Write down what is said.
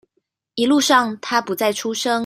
一路上他不再出聲